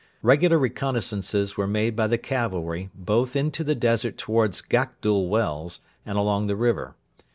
Regular reconnaissances were made by the cavalry both into the desert towards Gakdul Wells and along the river.